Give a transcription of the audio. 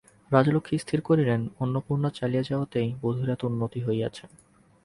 রাজলক্ষ্মী স্থির করিলেন, অন্নপূর্ণা চলিয়া যাওয়াতেই বধূর এত উন্নতি হইয়াছে।